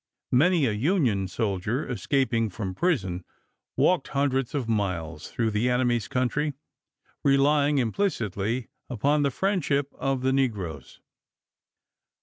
Many a Union soldier, escaping from prison, walked hundreds of miles through the enemy's country, relying implicitly upon the friendship of the negroes.